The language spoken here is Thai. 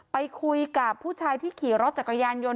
ไปคุยกับผู้ชายที่ขี่รถจักรยานยนต